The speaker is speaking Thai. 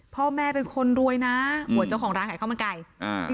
พ่อแม่เป็นคนรวยนะหมวดเจ้าของร้านขายข้าวมันไก่อ่า